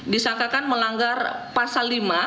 disangkakan melanggar pasal lima